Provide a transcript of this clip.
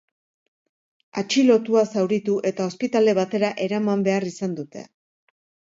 Atxilotua zauritu eta ospitale batera eraman behar izan dute.